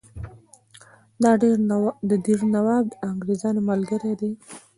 د دیر نواب د انګرېزانو ملګری دی.